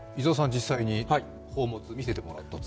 実際に宝物を見せてもらったと？